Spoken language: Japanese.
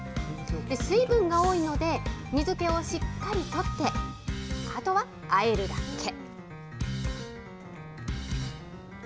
水分が多いので、水けをしっかり取って、あとはあえるだけ。